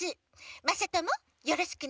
まさともよろしくね。